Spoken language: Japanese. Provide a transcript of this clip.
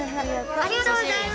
ありがとうございます。